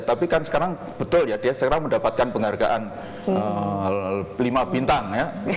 tapi kan sekarang betul ya dia sekarang mendapatkan penghargaan lima bintang ya